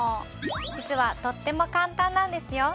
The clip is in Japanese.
実はとっても簡単なんですよ。